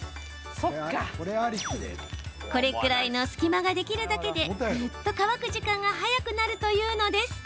これくらいの隙間ができるだけでぐっと乾く時間が早くなるというのです。